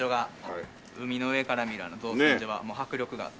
海の上から見る造船所は迫力があって。